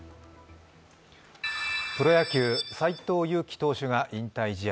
プロ野球、斎藤佑樹投手が引退試合。